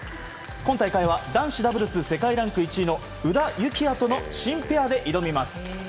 今大会は男子ダブルス世界ランク１位の宇田幸矢との新ペアで挑みます。